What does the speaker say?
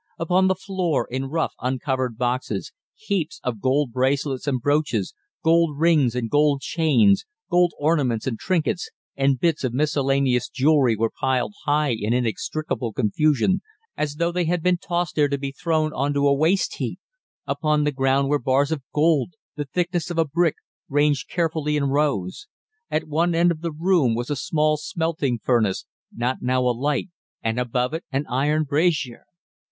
Upon the floor, in rough, uncovered boxes, heaps of gold bracelets and brooches, gold rings and gold chains, gold ornaments and trinkets, and bits of miscellaneous jewellery were piled high in inextricable confusion, as though they had been tossed there to be thrown on to a waste heap. Upon the ground were bars of gold, the thickness of a brick, ranged carefully in rows. At one end of the room was a small smelting furnace, not now alight, and above it an iron brazier.